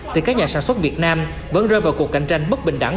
thì các nhà sản xuất việt nam vẫn rơi vào cuộc cạnh tranh bất bình đẳng